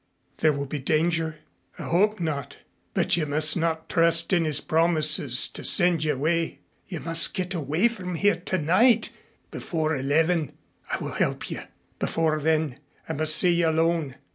"There will be danger?" "I hope not. But you must not trust his promises to send you away. You must get away from here tonight before eleven. I will help you. Before then I must see you alone.